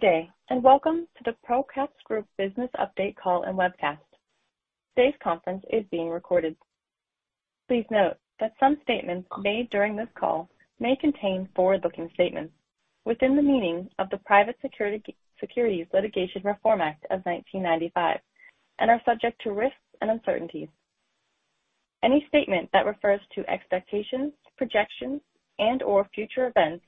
Good day, and welcome to the Procaps Group Business Update Call and Webcast. Today's conference is being recorded. Please note that some statements made during this call may contain forward-looking statements within the meaning of the Private Securities Litigation Reform Act of 1995, and are subject to risks and uncertainties. Any statement that refers to expectations, projections, and/or future events,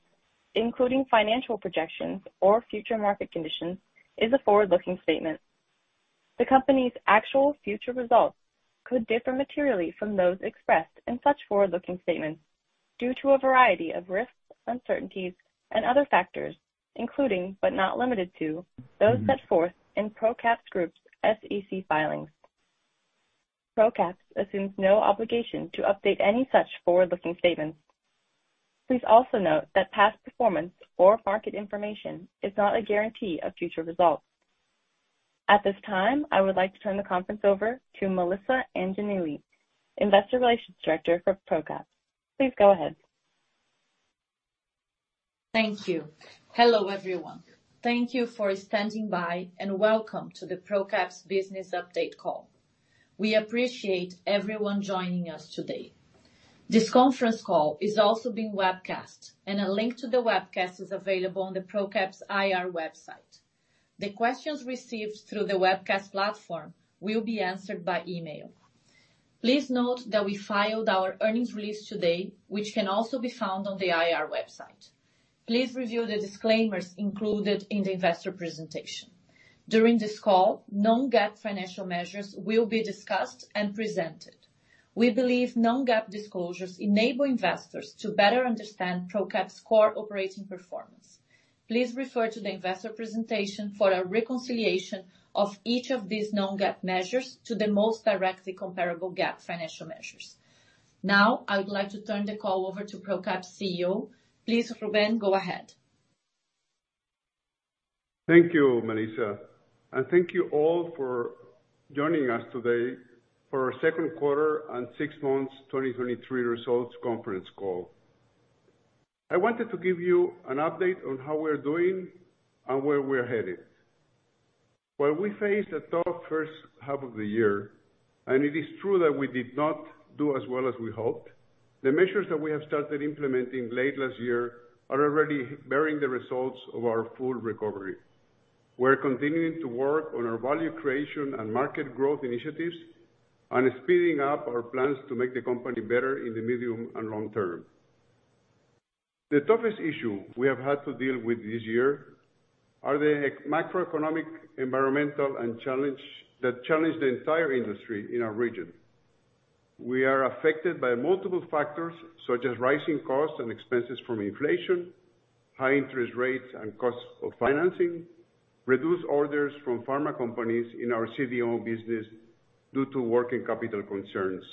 including financial projections or future market conditions, is a forward-looking statement. The Company's actual future results could differ materially from those expressed in such forward-looking statements due to a variety of risks, uncertainties, and other factors, including, but not limited to, those set forth in Procaps Group's SEC filings. Procaps assumes no obligation to update any such forward-looking statements. Please also note that past performance or market information is not a guarantee of future results. At this time, I would like to turn the conference over to Melissa Angelini, Investor Relations Director for Procaps. Please go ahead. Thank you. Hello, everyone. Thank you for standing by, and welcome to the Procaps Business Update Call. We appreciate everyone joining us today. This conference call is also being webcast, and a link to the webcast is available on the Procaps IR website. The questions received through the webcast platform will be answered by email. Please note that we filed our earnings release today, which can also be found on the IR website. Please review the disclaimers included in the investor presentation. During this call, non-GAAP financial measures will be discussed and presented. We believe non-GAAP disclosures enable investors to better understand Procaps' core operating performance. Please refer to the investor presentation for a reconciliation of each of these non-GAAP measures to the most directly comparable GAAP financial measures. Now, I would like to turn the call over to Procaps' CEO. Please, Ruben, go ahead. Thank you, Melissa, and thank you all for joining us today for our second quarter and six months 2023 results conference call. I wanted to give you an update on how we're doing and where we're headed. While we faced a tough first half of the year, and it is true that we did not do as well as we hoped, the measures that we have started implementing late last year are already bearing the results of our full recovery. We're continuing to work on our value creation and market growth initiatives, and speeding up our plans to make the company better in the medium and long term. The toughest issue we have had to deal with this year are the macroeconomic, environmental, and challenges that challenge the entire industry in our region. We are affected by multiple factors, such as rising costs and expenses from inflation, high interest rates and costs of financing, reduced orders from pharma companies in our CDMO business due to working capital concerns.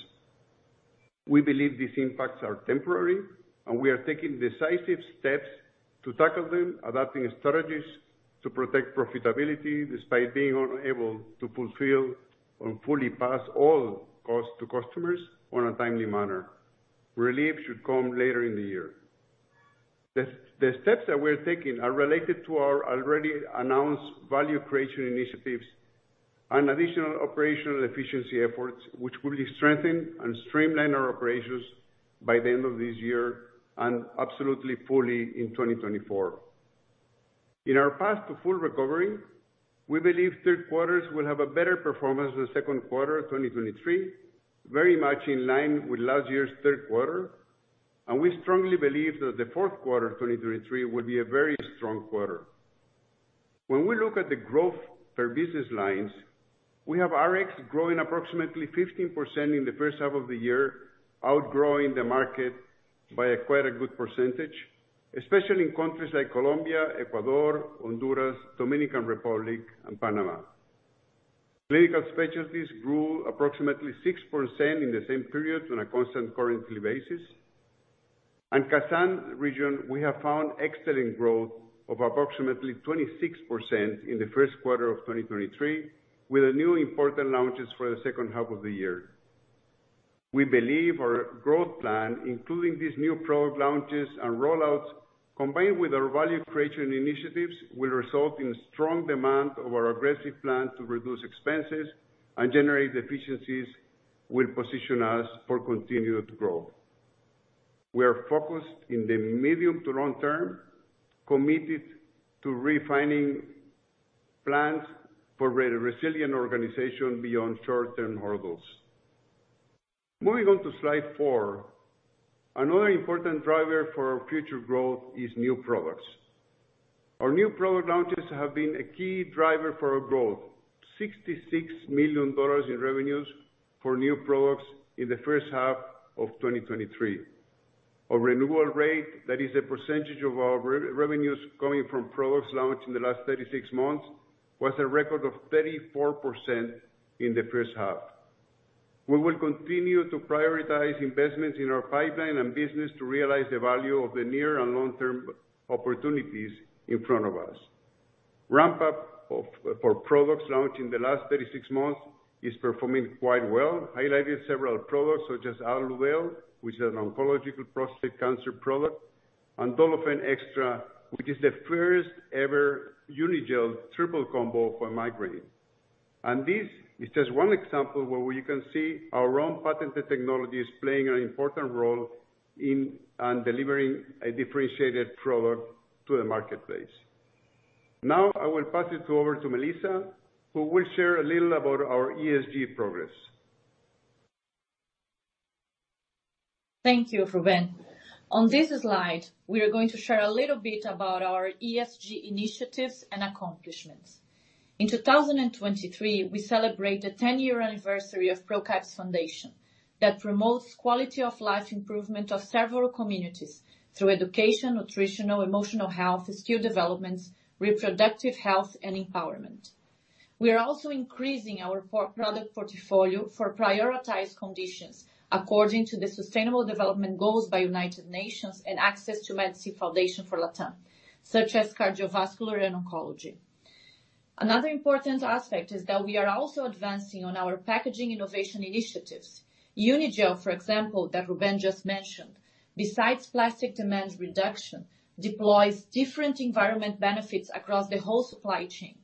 We believe these impacts are temporary, and we are taking decisive steps to tackle them, adapting strategies to protect profitability, despite being unable to fulfill or fully pass all costs to customers on a timely manner. Relief should come later in the year. The steps that we're taking are related to our already announced value creation initiatives and additional operational efficiency efforts, which will strengthen and streamline our operations by the end of this year and absolutely fully in 2024. In our path to full recovery, we believe third quarters will have a better performance than the second quarter of 2023, very much in line with last year's third quarter, and we strongly believe that the fourth quarter of 2023 will be a very strong quarter. When we look at the growth per business lines, we have Rx growing approximately 15% in the first half of the year, outgrowing the market by quite a good percentage, especially in countries like Colombia, Ecuador, Honduras, Dominican Republic, and Panama. Clinical Specialties grew approximately 6% in the same period on a constant currency basis. CAN region, we have found excellent growth of approximately 26% in the first quarter of 2023, with the new important launches for the second half of the year. We believe our growth plan, including these new product launches and rollouts, combined with our value creation initiatives, will result in strong demand of our aggressive plan to reduce expenses, and generate efficiencies will position us for continued growth. We are focused in the medium- to long-term, committed to refining plans for resilient organization beyond short-term hurdles. Moving on to slide four. Another important driver for our future growth is new products. Our new product launches have been a key driver for our growth. $66 million in revenues for new products in the first half of 2023. Our renewal rate, that is the percentage of our revenues coming from products launched in the last 36 months, was a record of 34% in the first half. We will continue to prioritize investments in our pipeline and business to realize the value of the near and long-term opportunities in front of us. Ramp-up for products launched in the last 36 months is performing quite well, highlighting several products such as Aluvel, which is an oncological prostate cancer product, and Dolofen Xtra, which is the first-ever Unigel triple combo for migraine. And this is just one example where we can see our own patented technology is playing an important role in and delivering a differentiated product to the marketplace. Now, I will pass it over to Melissa, who will share a little about our ESG progress. Thank you, Ruben. On this slide, we are going to share a little bit about our ESG initiatives and accomplishments. In 2023, we celebrate the ten-year anniversary of Procaps Foundation, that promotes quality of life improvement of several communities through education, nutritional, emotional health, skill developments, reproductive health, and empowerment. We are also increasing our product portfolio for prioritized conditions according to the Sustainable Development Goals by United Nations and Access to Medicine Foundation for Latam, such as cardiovascular and oncology. Another important aspect is that we are also advancing on our packaging innovation initiatives. Unigel, for example, that Ruben just mentioned, besides plastic demand reduction, deploys different environmental benefits across the whole supply chain,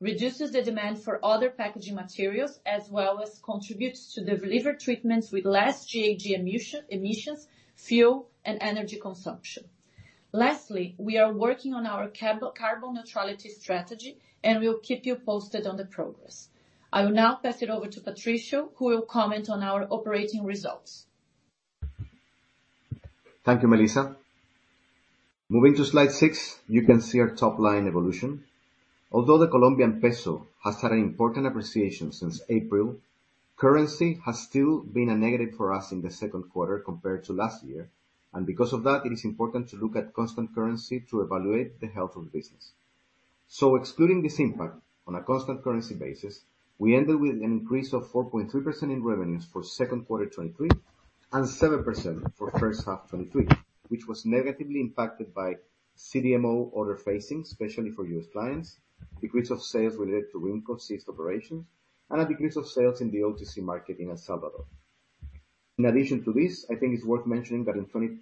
reduces the demand for other packaging materials, as well as contributes to the delivered treatments with less GHG emissions, fuel, and energy consumption. Lastly, we are working on our carbon neutrality strategy, and we will keep you posted on the progress. I will now pass it over to Patricio, who will comment on our operating results. Thank you, Melissa. Moving to slide 6, you can see our top line evolution. Although the Colombian peso has had an important appreciation since April, currency has still been a negative for us in the second quarter compared to last year, and because of that, it is important to look at constant currency to evaluate the health of the business. So excluding this impact, on a constant currency basis, we ended with an increase of 4.3% in revenues for second quarter 2023, and 7% for first half 2023, which was negatively impacted by CDMO order phasing, especially for U.S. clients, decrease of sales related to West Palm Beach ceased operations, and a decrease of sales in the OTC market in El Salvador. In addition to this, I think it's worth mentioning that in twenty...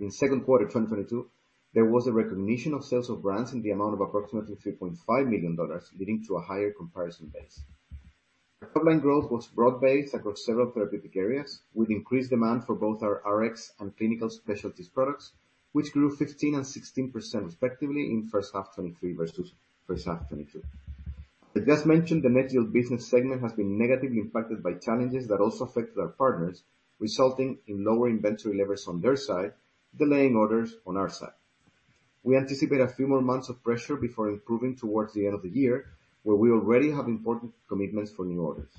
In second quarter 2022, there was a recognition of sales of brands in the amount of approximately $3.5 million, leading to a higher comparison base. The top-line growth was broad-based across several therapeutic areas, with increased demand for both our RX and Clinical Specialties products, which grew 15% and 16%, respectively, in first half 2023 versus first half 2022. I just mentioned, the Nextgel business segment has been negatively impacted by challenges that also affected our partners, resulting in lower inventory levels on their side, delaying orders on our side. We anticipate a few more months of pressure before improving towards the end of the year, where we already have important commitments for new orders.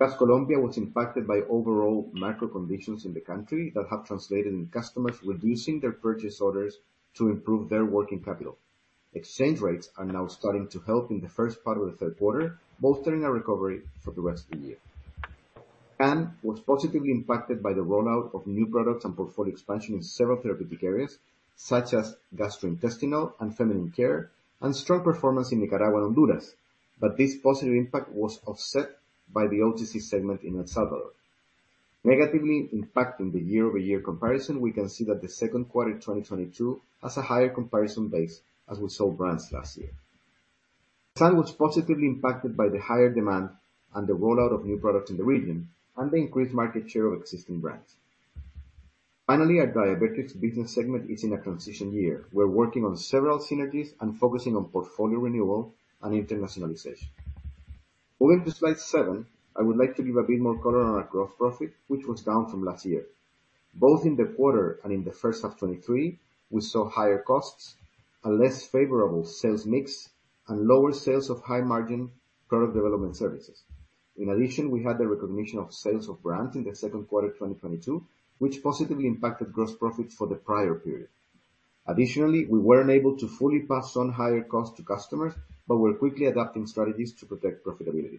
As Colombia was impacted by overall macro conditions in the country that have translated in customers reducing their purchase orders to improve their working capital. Exchange rates are now starting to help in the first part of the third quarter, bolstering a recovery for the rest of the year. CAM was positively impacted by the rollout of new products and portfolio expansion in several therapeutic areas, such as gastrointestinal and feminine care, and strong performance in Nicaragua and Honduras, but this positive impact was offset by the OTC segment in El Salvador. Negatively impacting the year-over-year comparison, we can see that the second quarter 2022 has a higher comparison base, as we sold brands last year. CAN was positively impacted by the higher demand and the rollout of new products in the region and the increased market share of existing brands. Finally, our Diabetrics business segment is in a transition year. We're working on several synergies and focusing on portfolio renewal and internationalization. Moving to slide 7, I would like to give a bit more color on our gross profit, which was down from last year. Both in the quarter and in the first half 2023, we saw higher costs, a less favorable sales mix, and lower sales of high-margin product development services. In addition, we had the recognition of sales of brands in the second quarter 2022, which positively impacted gross profits for the prior period. Additionally, we weren't able to fully pass on higher costs to customers, but we're quickly adapting strategies to protect profitability.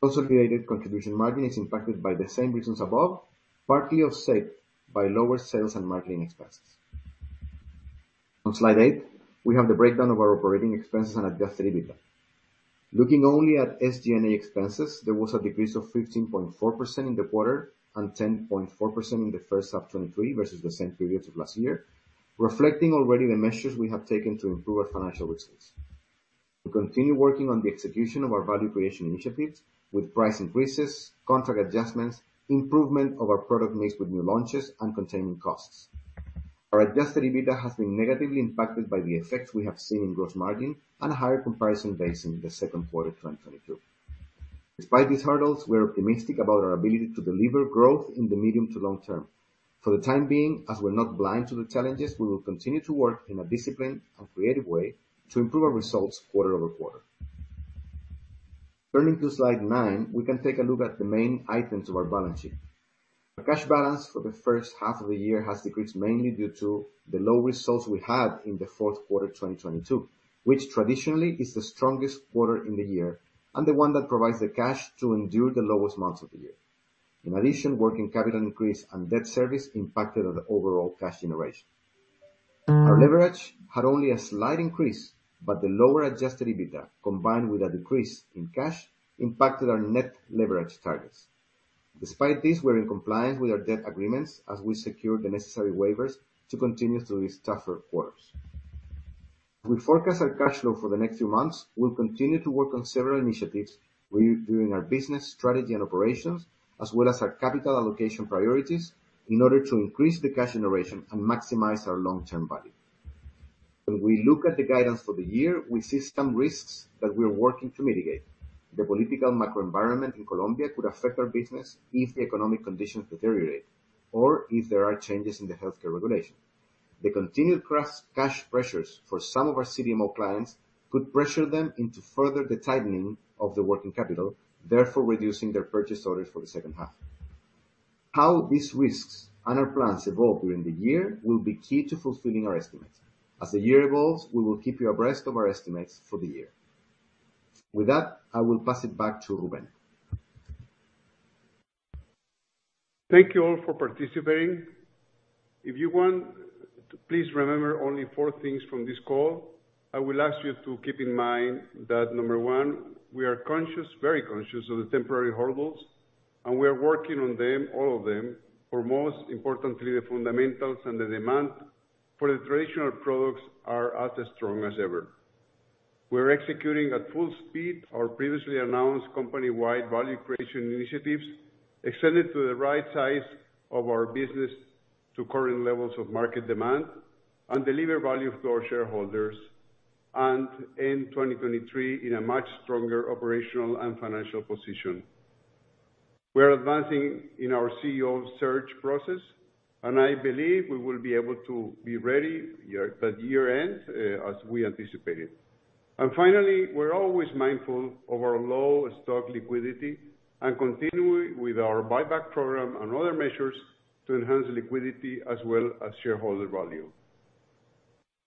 Consolidated contribution margin is impacted by the same reasons above, partly offset by lower sales and marketing expenses. On slide 8, we have the breakdown of our operating expenses and Adjusted EBITDA. Looking only at SG&A expenses, there was a decrease of 15.4% in the quarter and 10.4% in the first half of 2023, versus the same period of last year, reflecting already the measures we have taken to improve our financial results. We continue working on the execution of our value creation initiatives with price increases, contract adjustments, improvement of our product mix with new launches, and containing costs. Our adjusted EBITDA has been negatively impacted by the effects we have seen in gross margin and a higher comparison base in the second quarter of 2022. Despite thee hurdles, we are optimistic about our ability to deliver growth in the medium to long term. For the time being, as we're not blind to the challenges, we will continue to work in a disciplined and creative way to improve our results quarter over quarter. Turning to slide 9, we can take a look at the main items of our balance sheet. The cash balance for the first half of the year has decreased mainly due to the low results we had in the fourth quarter 2022, which traditionally is the strongest quarter in the year and the one that provides the cash to endure the lowest months of the year. In addition, working capital increase and debt service impacted on the overall cash generation. Our leverage had only a slight increase, but the lower Adjusted EBITDA, combined with a decrease in cash, impacted our net leverage targets. Despite this, we're in compliance with our debt agreements as we secure the necessary waivers to continue through these tougher quarters. We forecast our cash flow for the next few months. We'll continue to work on several initiatives redoing our business, strategy, and operations, as well as our capital allocation priorities, in order to increase the cash generation and maximize our long-term value. When we look at the guidance for the year, we see some risks that we are working to mitigate. The political macro environment in Colombia could affect our business if the economic conditions deteriorate, or if there are changes in the healthcare regulation. The continued cash pressures for some of our CDMO clients could pressure them into further the tightening of the working capital, therefore reducing their purchase orders for the second half. How these risks and our plans evolve during the year will be key to fulfilling our estimates. As the year evolves, we will keep you abreast of our estimates for the year. With that, I will pass it back to Ruben. Thank you all for participating. If you want to please remember only 4 things from this call, I will ask you to keep in mind that, number one, we are conscious, very conscious, of the temporary hurdles, and we are working on them, all of them, for most importantly, the fundamentals and the demand for the traditional products are as strong as ever. We're executing at full speed our previously announced company-wide value creation initiatives, extended to the right size of our business to current levels of market demand and deliver value for our shareholders, and end 2023 in a much stronger operational and financial position. We are advancing in our CEO search process, and I believe we will be able to be ready year, by year-end, as we anticipated. Finally, we're always mindful of our low stock liquidity and continuing with our buyback program and other measures to enhance liquidity as well as shareholder value.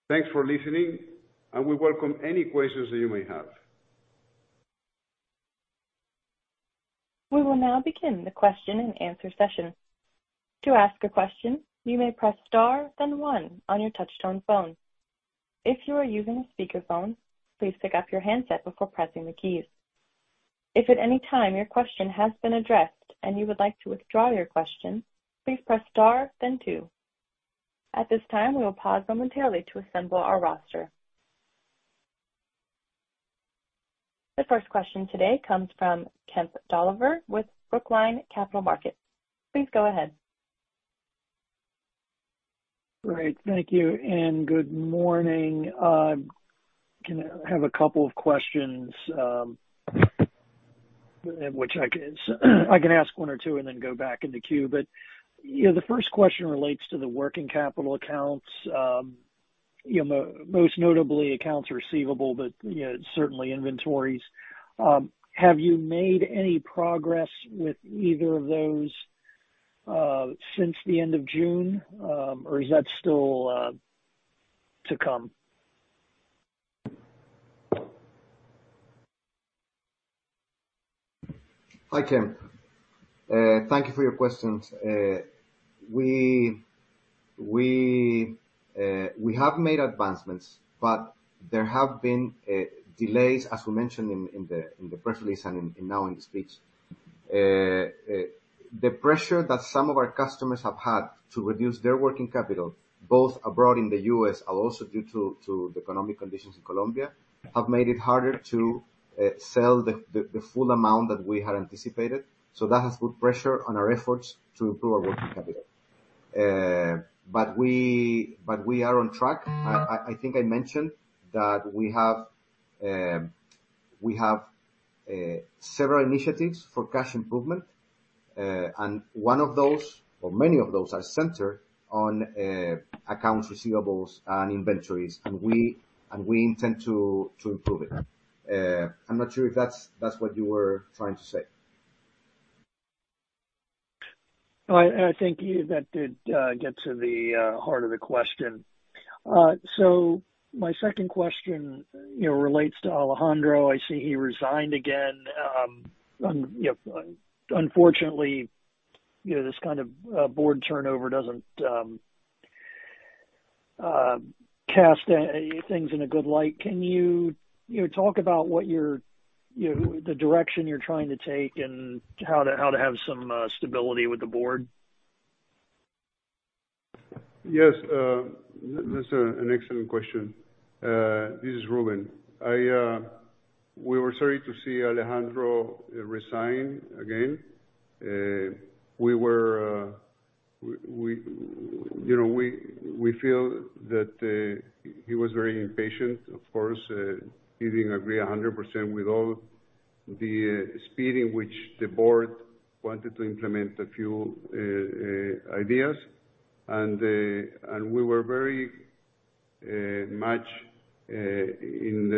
Thanks for listening, and we welcome any questions that you may have. We will now begin the question and answer session. To ask a question, you may press star, then one on your touchtone phone. If you are using a speakerphone, please pick up your handset before pressing the keys. If at any time your question has been addressed and you would like to withdraw your question, please press star, then two. At this time, we will pause momentarily to assemble our roster. The first question today comes from Kemp Dolliver with Brookline Capital Markets. Please go ahead. Great. Thank you, and good morning. Can I have a couple of questions, which I can ask one or two and then go back in the queue. But, you know, the first question relates to the working capital accounts, you know, most notably accounts receivable, but, you know, certainly inventories. Have you made any progress with either of those since the end of June? Or is that still to come? Hi, Kemp. Thank you for your questions. We have made advancements, but there have been delays, as we mentioned in the press release and now in the speech. The pressure that some of our customers have had to reduce their working capital, both abroad in the U.S., and also due to the economic conditions in Colombia, have made it harder to sell the full amount that we had anticipated. So that has put pressure on our efforts to improve our working capital. But we are on track. I think I mentioned that we have several initiatives for cash improvement, and one of those, or many of those, are centered on accounts receivables and inventories, and we intend to improve it. I'm not sure if that's what you were trying to say. No, I think you... That did get to the heart of the question. So my second question, you know, relates to Alejandro. I see he resigned again. You know, unfortunately, you know, this kind of board turnover doesn't cast things in a good light. Can you, you know, talk about what you're, you know, the direction you're trying to take and how to have some stability with the board? Yes, that's an excellent question. This is Ruben. We were sorry to see Alejandro resign again. We were, you know, we feel that he was very impatient. Of course, he didn't agree 100% with all the speed in which the board wanted to implement a few ideas. And we were very much in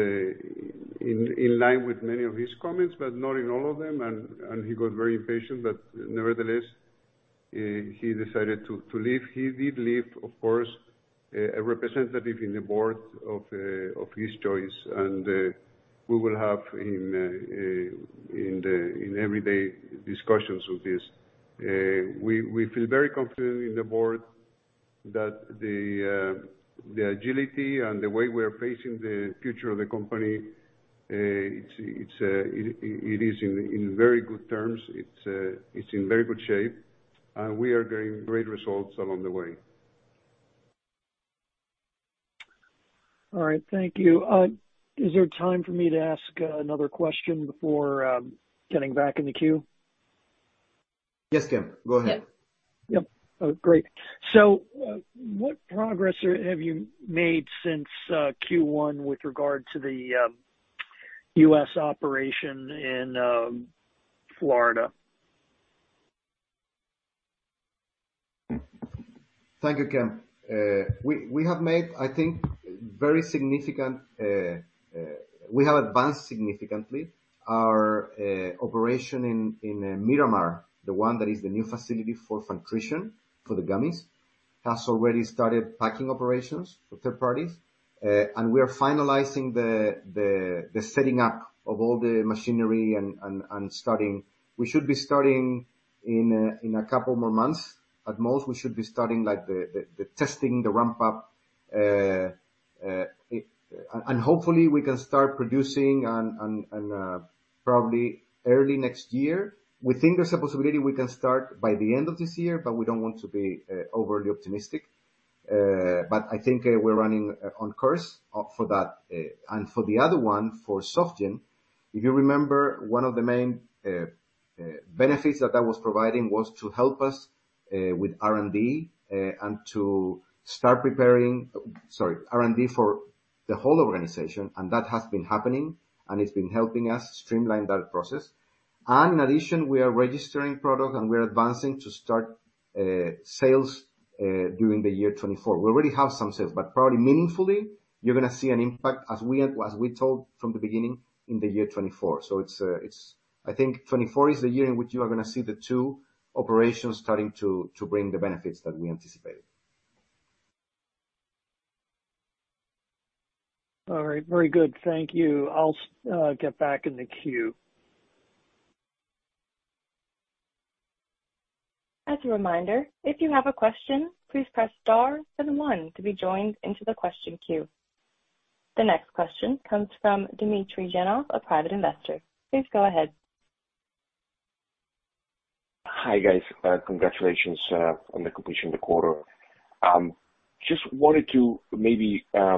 line with many of his comments, but not in all of them. And he got very impatient, but nevertheless-... he decided to leave. He did leave, of course, a representative in the board of his choice, and we will have in the in everyday discussions with this. We feel very confident in the board that the agility and the way we are facing the future of the company, it's it is in very good terms. It's in very good shape, and we are getting great results along the way. All right. Thank you. Is there time for me to ask another question before getting back in the queue? Yes, Kim, go ahead. Yeah. Yep. Great. So, what progress have you made since Q1 with regard to the U.S. operation in Florida? Thank you, Kim. We have made, I think, very significant. We have advanced significantly our operation in Miramar, the one that is the new facility for nutrition, for the gummies. Has already started packing operations for third parties, and we are finalizing the setting up of all the machinery and starting. We should be starting in a couple more months. At most, we should be starting, like, the testing, the ramp up. And hopefully we can start producing on probably early next year. We think there's a possibility we can start by the end of this year, but we don't want to be overly optimistic. But I think we're running on course for that. For the other one, for Softigel, if you remember, one of the main benefits that that was providing was to help us with R&D, and to start preparing... Sorry, R&D for the whole organization, and that has been happening, and it's been helping us streamline that process. In addition, we are registering product, and we are advancing to start sales during the year 2024. We already have some sales, but probably meaningfully, you're gonna see an impact, as we told from the beginning, in the year 2024. So it's, I think 2024 is the year in which you are gonna see the two operations starting to bring the benefits that we anticipated. All right. Very good. Thank you. I'll get back in the queue. As a reminder, if you have a question, please press star and one to be joined into the question queue. The next question comes from Dmitry Khanov, a private investor. Please go ahead. Hi, guys, congratulations on the completion of the quarter. Just wanted to maybe get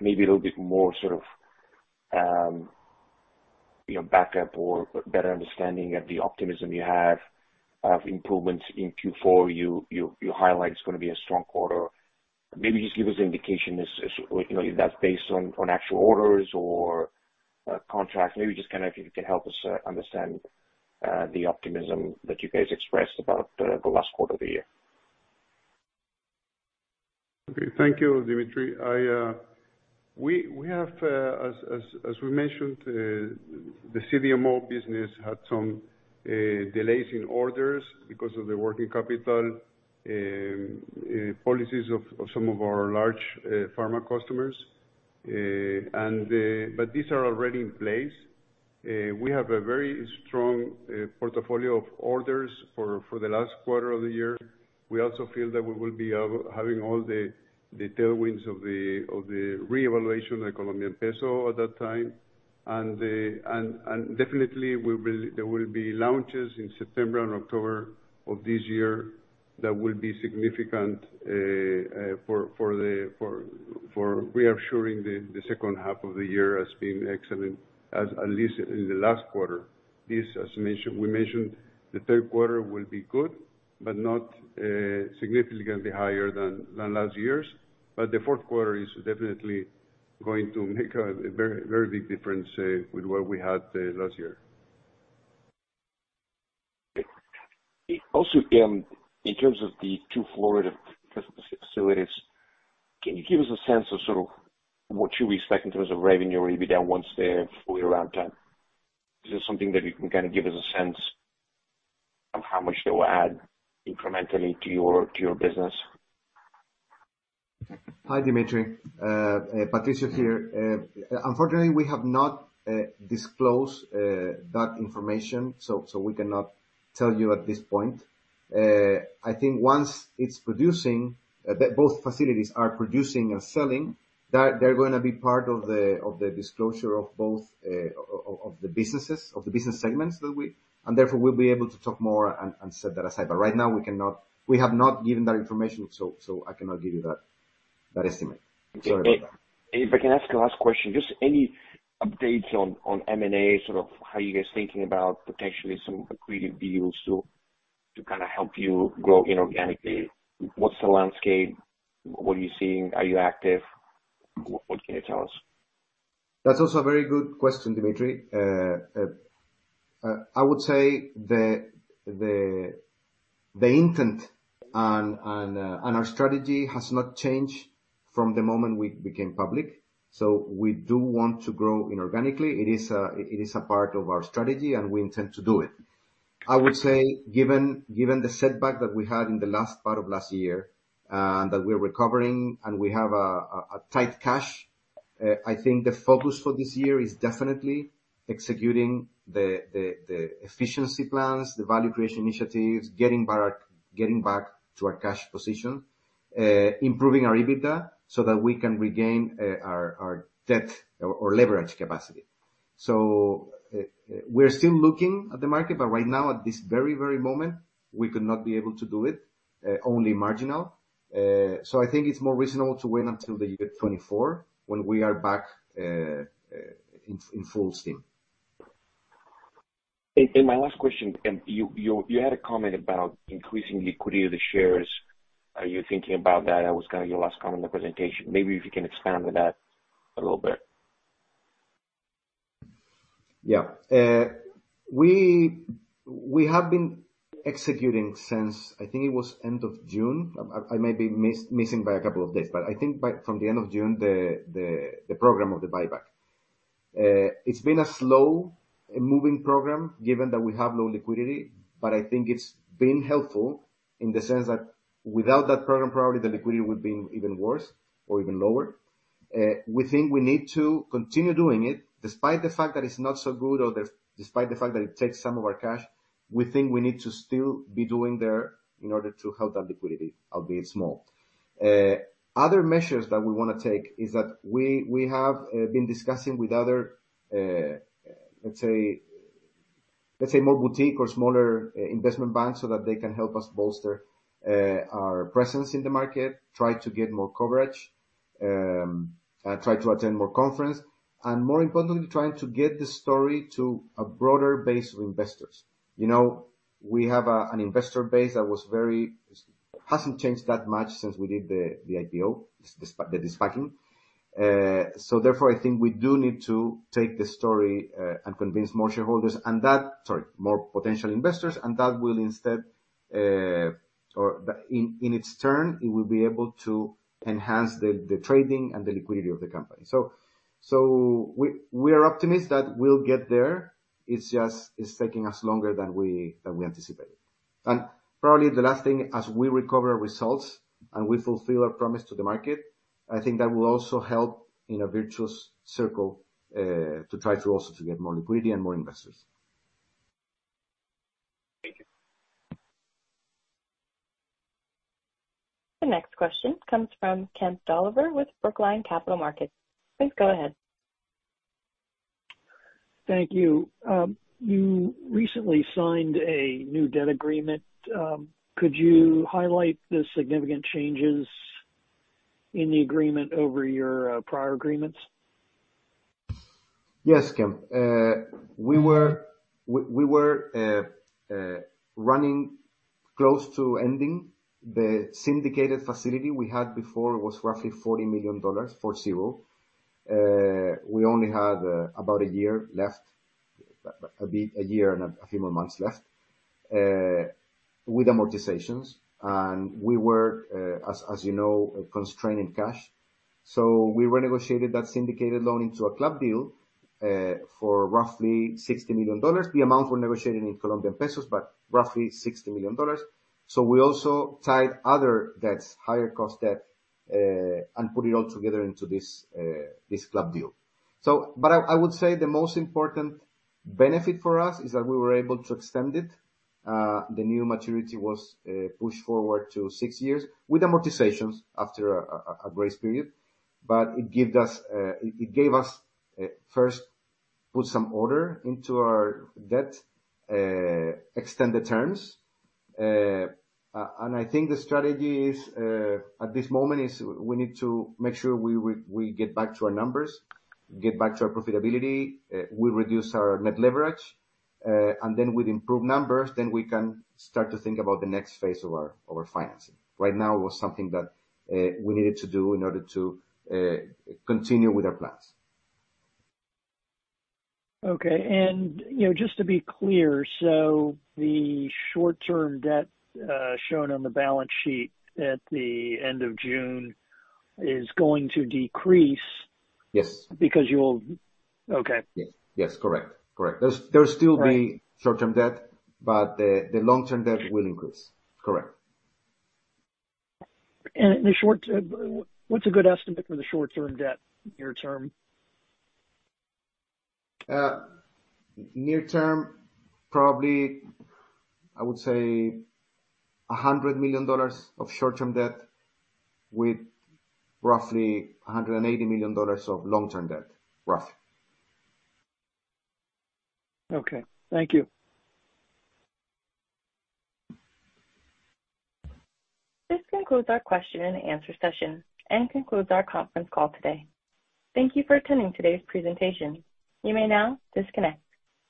maybe a little bit more sort of, you know, backup or better understanding of the optimism you have of improvements in Q4. You highlight it's gonna be a strong quarter. Maybe just give us indication is, you know, if that's based on actual orders or contracts. Maybe just kind of if you can help us understand the optimism that you guys expressed about the last quarter of the year. Okay. Thank you, Dmitry. I, we have, as we mentioned, the CDMO business had some delays in orders because of the working capital policies of some of our large pharma customers. But these are already in place. We have a very strong portfolio of orders for the last quarter of the year. We also feel that we will be having all the tailwinds of the reevaluation of the Colombian peso at that time. And definitely we will, there will be launches in September and October of this year that will be significant for reassuring the second half of the year as being excellent, at least in the last quarter. This, as mentioned, we mentioned, the third quarter will be good, but not significantly higher than last year's, but the fourth quarter is definitely going to make a very, very big difference with what we had last year. Okay. Also, in terms of the two Florida facilities, can you give us a sense of sort of what you expect in terms of revenue or EBITDA once they're fully up and running? Is this something that you can kind of give us a sense of how much they will add incrementally to your, to your business? Hi, Dmitry, Patricio here. Unfortunately, we have not disclosed that information, so we cannot tell you at this point. I think once it's producing, both facilities are producing and selling, that they're gonna be part of the disclosure of both the businesses, of the business segments that we... And therefore, we'll be able to talk more and set that aside. But right now, we cannot—we have not given that information, so I cannot give you that estimate. Sorry about that. </transcript If I can ask a last question, just any updates on M&A, sort of how you guys are thinking about potentially some accretive deals to kind of help you grow inorganically? What's the landscape? What are you seeing? Are you active? What can you tell us? That's also a very good question, Dmitry. I would say the intent on our strategy has not changed from the moment we became public, so we do want to grow inorganically. It is a part of our strategy, and we intend to do it. I would say, given the setback that we had in the last part of last year, and that we're recovering, and we have a tight cash, I think the focus for this year is definitely executing the efficiency plans, the value creation initiatives, getting back to our cash position, improving our EBITDA, so that we can regain our debt or leverage capacity. So, we're still looking at the market, but right now, at this very, very moment, we could not be able to do it, only marginal. So I think it's more reasonable to wait until the year 2024, when we are back in full steam. My last question, and you had a comment about increasing liquidity of the shares. Are you thinking about that? That was, kind of, your last comment in the presentation. Maybe if you can expand on that a little bit. Yeah. We have been executing since, I think it was end of June. I may be missing by a couple of days, but I think by from the end of June, the program of the buyback. It's been a slow-moving program, given that we have low liquidity, but I think it's been helpful in the sense that without that program, probably the liquidity would have been even worse or even lower. We think we need to continue doing it, despite the fact that it's not so good, despite the fact that it takes some of our cash, we think we need to still be doing there in order to help that liquidity, albeit small. Other measures that we wanna take is that we, we have, been discussing with other, let's say, let's say more boutique or smaller, investment banks, so that they can help us bolster, our presence in the market, try to get more coverage, try to attend more conference, and more importantly, trying to get the story to a broader base of investors. You know, we have a, an investor base that was very—hasn't changed that much since we did the, the IPO, the SPAC, the de-SPACing. So therefore, I think we do need to take the story, and convince more shareholders, and that... Sorry, more potential investors, and that will instead, or that in, in its turn, it will be able to enhance the, the trading and the liquidity of the company. So we are optimistic that we'll get there. It's just taking us longer than we anticipated. And probably the last thing, as we recover results, and we fulfill our promise to the market, I think that will also help in a virtuous circle to try to also get more liquidity and more investors. Thank you. The next question comes from Kemp Dolliver with Brookline Capital Markets. Please go ahead. Thank you. You recently signed a new debt agreement. Could you highlight the significant changes in the agreement over your prior agreements? Yes, Kemp. We were running close to ending the syndicated facility we had before, was roughly $40 million, 40. We only had about a year left, a bit, a year and a few more months left, with amortizations. And we were, as you know, constrained in cash, so we renegotiated that syndicated loan into a club deal for roughly $60 million. The amount was negotiated in Colombian pesos, but roughly $60 million. So we also tied other debts, higher cost debt, and put it all together into this club deal. So, but I would say the most important benefit for us is that we were able to extend it. The new maturity was pushed forward to six years with amortizations after a grace period, but it gave us, first, put some order into our debt, extend the terms. And I think the strategy is, at this moment, is we need to make sure we get back to our numbers, get back to our profitability, we reduce our net leverage, and then with improved numbers, then we can start to think about the next phase of our financing. Right now, it was something that we needed to do in order to continue with our plans. Okay. And, you know, just to be clear, so the short-term debt, shown on the balance sheet at the end of June is going to decrease- Yes. Okay. Yes. Yes, correct. Correct. Right. There's still be short-term debt, but the long-term debt will increase. Correct. The short-term, what's a good estimate for the short-term debt, near term? Near term, probably, I would say $100 million of short-term debt with roughly $180 million of long-term debt, roughly. Okay, thank you. This concludes our question and answer session and concludes our conference call today. Thank you for attending today's presentation. You may now disconnect.